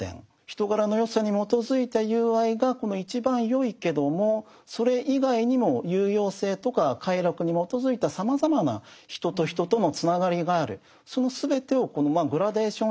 人柄の善さに基づいた友愛が一番よいけどもそれ以外にも有用性とか快楽に基づいたさまざまな人と人とのつながりがある。